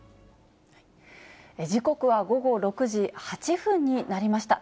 時刻は午後６時８分になりました。